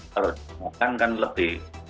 kalau dimakan kan lebih